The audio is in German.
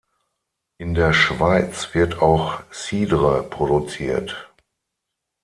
In der Schweiz wird auch Cidre produziert.